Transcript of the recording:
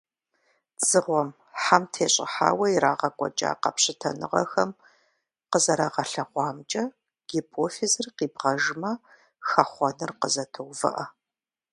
Дзыгъуэм, хьэм тещӀыхьауэ ирагъэкӀуэкӀа къэпщытэныгъэхэм къызэрагъэлъэгъуамкӀэ, гипофизыр къибгъэжмэ, хэхъуэныр къызэтоувыӀэ.